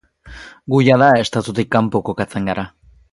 Gu jada estatutik kanpo kokatzen gara.